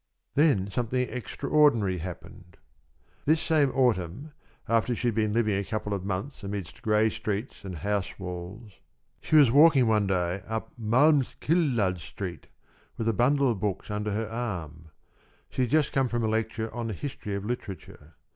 Then something extraordinary happened. This same autumn, after she had been living a couple of months amidst gray streets and house walls, she was walking one day up Malmskillnad Street with a bundle of books under her arm. She had just come from a lecture on the history of literature.